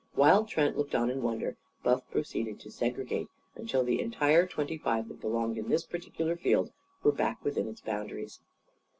While Trent looked on in wonder, Buff proceeded to segregate, until the entire twenty five that belonged in this particular field were back within its boundaries.